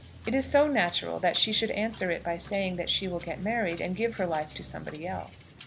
it is so natural that she should answer it by saying that she will get married, and give her life to somebody else.